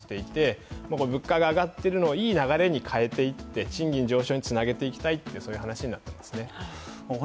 来年の春闘に既に日銀なんかも注目していて、物価が上がっているのをいい流れに変えていって賃金上昇につなげていきたいという話になっていますね。